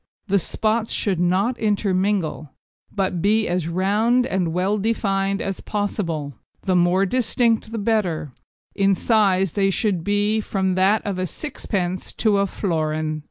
The spots should not intermingle, but be as round and well defined as possible, the more distinct the better; in size they should be from that of a sixpence to a florin.